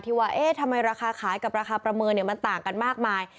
ว่าเอ๊ะทำไมราคาขายกับราคาประเมินมันต่างกันมากมาย